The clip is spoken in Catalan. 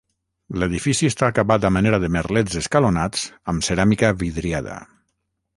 L'edifici està acabat a manera de merlets escalonats amb ceràmica vidriada.